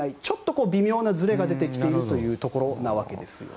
ちょっと微妙なずれが出てきているということです。